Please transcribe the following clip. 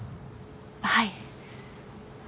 はい。